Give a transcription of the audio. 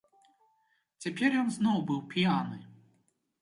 Цяпер ён зноў быў п'яны.